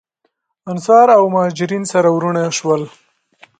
انصار او مهاجرین سره وروڼه شول.